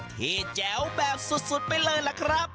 แจ๋วแบบสุดไปเลยล่ะครับ